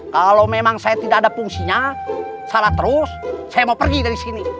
kalau memang saya tidak ada fungsinya salah terus saya mau pergi dari sini